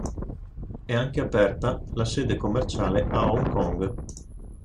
È anche aperta la sede commerciale a Hong Kong.